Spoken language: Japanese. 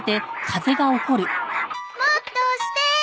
もっと押して。